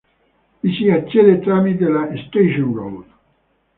Vi si accede tramite la Station Road.